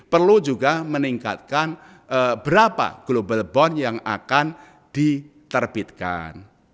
perlu juga meningkatkan berapa global bond yang akan diterbitkan